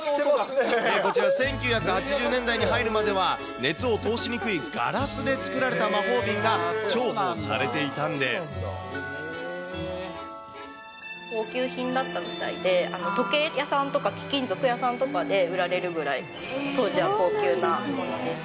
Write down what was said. こちら、１９８０年代に入るまでは、熱を通しにくいガラスで作られた魔法瓶が重宝されていた高級品だったみたいで、時計屋さんとか、貴金属屋さんとかで売られるぐらい、当時は高級なものでした。